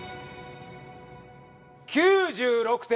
９６点。